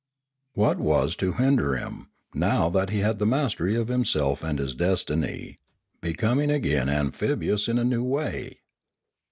What was to hinder him, now he had the mastery of himself and his destiny, becoming again amphibious in a new way